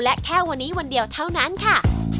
และแค่วันนี้วันเดียวเท่านั้นค่ะ